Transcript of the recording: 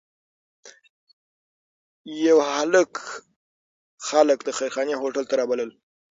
یو هلک خلک د خیرخانې هوټل ته رابلل.